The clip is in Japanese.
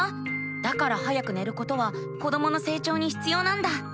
だから早く寝ることは子どもの成長にひつようなんだ。